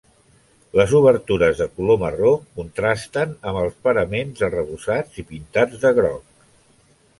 Les obertures de color marró contrasten amb els paraments arrebossats i pintats de groc.